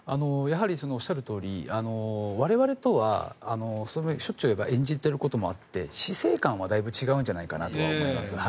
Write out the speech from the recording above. おっしゃるとおり我々とはしょっちゅう演じていることもあって死生観はだいぶ違うんじゃないかとは思います。